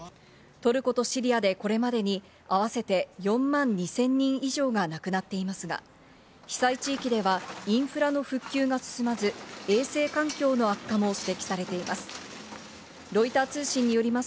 トルコとシリアで、これまでに合わせて４万２０００人以上が亡くなっていますが、被災地域ではインフラの復旧が進まず、衛生環境の悪化も指摘されています。